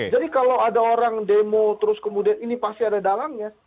jadi kalau ada orang demo terus kemudian ini pasti ada dalangnya